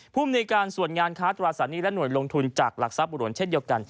ภูมิในการส่วนงานค้าตราสารหนี้และหน่วยลงทุนจากหลักทรัพย์บุหลวงเช่นเดียวกัน